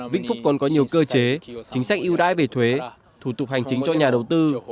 vĩnh phúc còn có nhiều cơ chế chính sách ưu đãi về thuế thủ tục hành chính cho nhà đầu tư